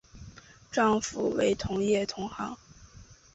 丈夫为同业同行。